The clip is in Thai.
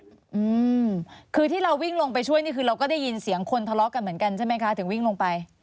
อืมคือที่เราวิ่งลงไปช่วยนี่คือเราก็ได้ยินเสียงคนทะเลาะกันเหมือนกันใช่ไหมคะถึงวิ่งลงไป